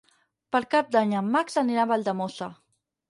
Per Cap d'Any en Max anirà a Valldemossa.